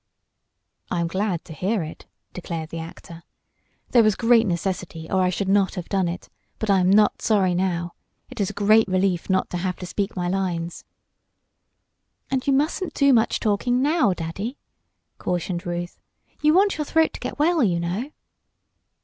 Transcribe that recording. "I am glad to hear it," declared the actor. "There was great necessity, or I should not have done it; but I am not sorry now. It is a great relief not to have to speak my lines." "And you mustn't do much talking now, Daddy," cautioned Ruth. "You want your throat to get well, you know."